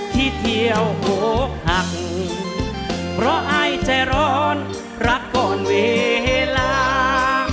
ที่เที่ยวโหกหักเพราะอายใจร้อนรักก่อนเวลา